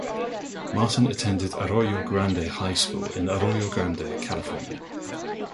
Martin attended Arroyo Grande High School in Arroyo Grande, California.